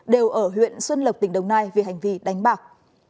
đều ở huyện xuân lộc tỉnh đồng nai vì hành vi đánh bạc